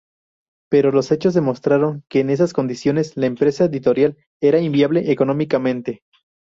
Pero los hechos demostraron que, en esas condiciones, la empresa editorial era inviable económicamente.